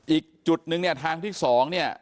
อีกจุดนึงเนี่ยทางที่๒เนี่ย